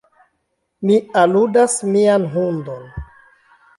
Mi aludas mian hundon.